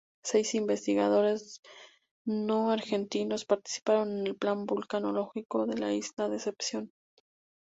Seis investigadores no argentinos participaron en el plan vulcanológico de la isla Decepción.